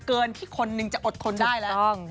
ที่คนนึงจะอดทนได้แล้ว